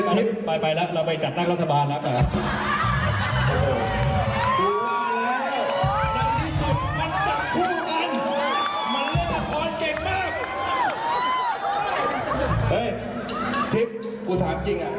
เฮ้ยคลิปกูถามจริงอะ